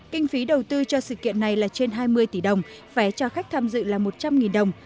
kinh phí đầu tư cho sự kiện này là trên hai mươi tỷ đồng vé cho khách tham dự là một trăm linh đồng